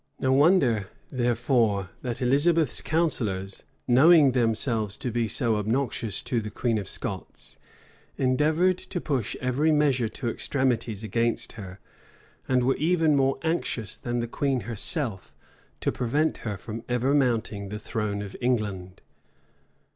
No wonder, therefore, that Elizabeth's counsellors, knowing themselves to be so obnoxious to the queen of Scots, endeavored to push every measure to extremities against her; and were even more anxious than the queen herself, to prevent her from ever mounting the throne of England.